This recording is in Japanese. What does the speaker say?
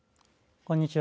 こんにちは。